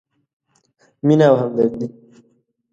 مینه او همدردي: